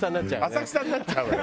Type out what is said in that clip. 浅草になっちゃうわよ